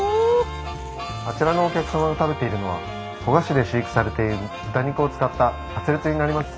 あちらのお客様が食べているのは古河市で飼育されている豚肉を使ったカツレツになります。